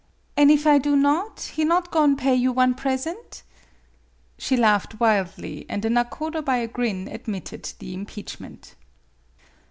" An' if I do not, he not go'n' pay you one present ?" She laughed wildly, and the nakodo by a grin admitted the impeachment.